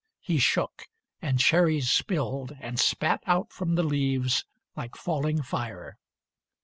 He shook, and cherries spilled And spat out from the leaves like falling fire.